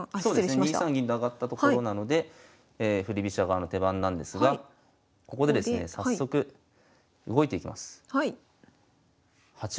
２三銀と上がったところなので振り飛車側の手番なんですがここでですね早速動いていきます。